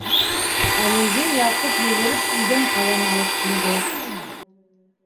Әлеге Яҡуп йүгереп өйҙән ҡәләм алып килде.